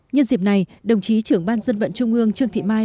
nhân dịp này đồng chí trưởng ban dân vận trung ương trương thị mai